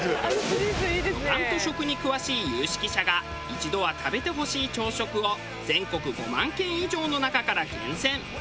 旅館と食に詳しい有識者が一度は食べてほしい朝食を全国５万軒以上の中から厳選。